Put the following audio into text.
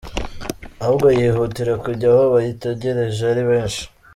Ahubwo yihutire kujya aho bayitegereje ari benshi